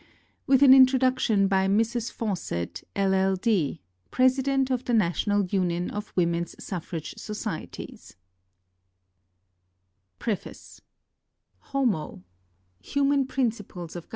With an Introduction by Mrs. Fawcett, LL.D. President of the National Union of Women'S Suffrage Societies London G.